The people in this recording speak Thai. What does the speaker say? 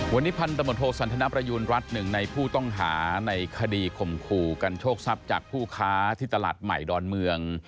วันนี้พันธมตโทสันทนประยูณรัฐหนึ่งในผู้ต้องหาในคดีข่มขู่กันโชคทรัพย์จากผู้ค้าที่ตลาดใหม่ดอนเมือง